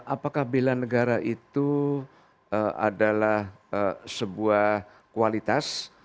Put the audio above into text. apakah bela negara itu adalah sebuah kualitas